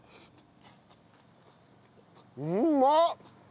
うまっ！